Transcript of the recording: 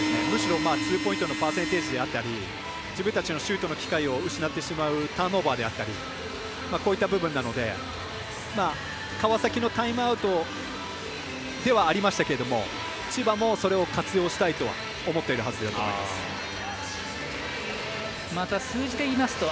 むしろツーポイントのパーセンテージだったり自分たちのシュートの機会を失ってしまうターンオーバーであったりこういった部分なので川崎のタイムアウトではありましたけど千葉もそれを活用したいと思っているはずだと思います。